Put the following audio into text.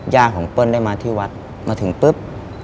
ย่าของเปิ้ลได้มาที่วัดมาถึงปุ๊บ